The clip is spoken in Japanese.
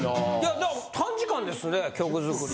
でも短時間ですね曲作り。